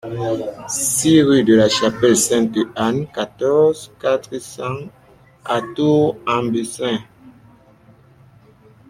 six rue de la Chapelle Sainte-Anne, quatorze, quatre cents à Tour-en-Bessin